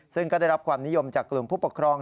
ซึ่งก็ได้รับความนิยมจากกลุ่มผู้ปกครอง